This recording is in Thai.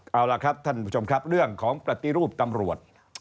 เอาล่ะครับท่านผู้ชมครับเรื่องของปฏิรูปตำรวจ